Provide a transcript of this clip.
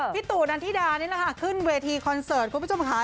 ตู่นันทิดานี่แหละค่ะขึ้นเวทีคอนเสิร์ตคุณผู้ชมค่ะ